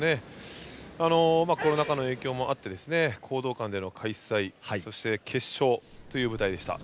コロナ禍の影響もあって講道館での開催そして決勝という舞台でした。